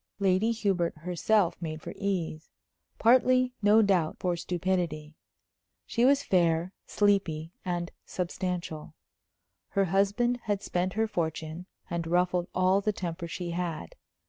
Lady Hubert herself made for ease partly, no doubt, for stupidity. She was fair, sleepy, and substantial. Her husband had spent her fortune, and ruffled all the temper she had.